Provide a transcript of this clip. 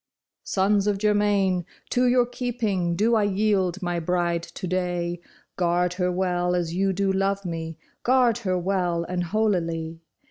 " Sons of Germain, to your keeping do I yield my bride to day. Guard her well as you do love me ; guard her well and holily.